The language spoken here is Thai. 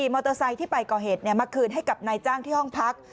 มอเตอร์ไซค์ที่ไปก่อเหตุมาคืนให้กับนายจ้างที่ห้องพัก